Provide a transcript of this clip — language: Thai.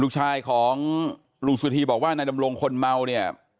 ลูกชายของลุงสุธีบอกว่านายดำรงคนเมาเนี่ย